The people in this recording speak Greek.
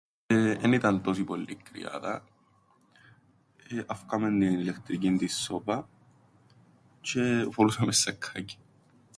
Εεε... εν ήταν τόση πολλή η κρυάδα, ε, άφκαμεν την ηλεκτρικήν την σόπαν τζ̆ι εφορούσαμεν σακκάκια.